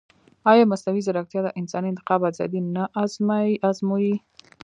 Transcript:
ایا مصنوعي ځیرکتیا د انساني انتخاب ازادي نه ازموي؟